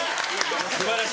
素晴らしい。